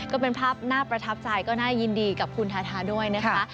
ก็เป็นภาพน่าประทับใจก็น่ายินดีกับคุณทาทาด้วยนะคะ